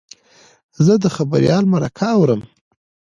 زه د خبریال مرکه اورم.